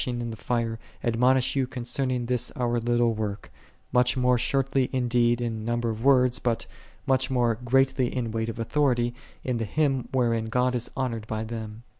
ing in the fire, admonish you concerning this our little work, much more shortly indeed in number of words, but much more greatly in weight of authority, in the Hymn wherein God is honored by them.